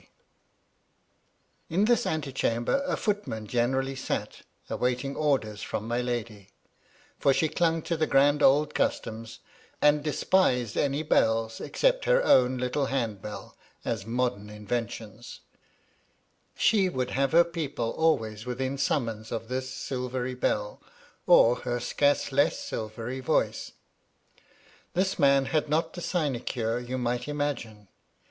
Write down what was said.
84 MY LADY LTIDLOW, In this antechamber a footman generally sat, awaiting orders from my lady ; for she clung to the grand old customs, and despised any bells, except her own little hand bell, as modem inventions ; she would have her people always within summons of this silvery bell, or her scarce less silvery voice. This man had not the sinecure you might imagine.